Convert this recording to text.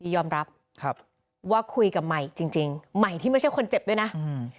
ยอมรับครับว่าคุยกับใหม่จริงจริงใหม่ที่ไม่ใช่คนเจ็บด้วยนะอืม